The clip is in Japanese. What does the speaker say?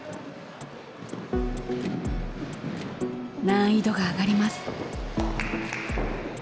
難易度が上がります。